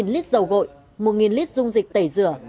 một lít dầu gội một lít dung dịch tẩy rửa